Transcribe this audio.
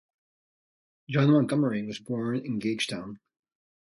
John Montgomery was born in Gagetown.